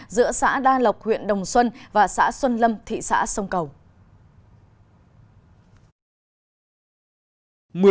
giữa xã đa lộc huyện đồng xuân và xã xuân lâm thị xã sông cầu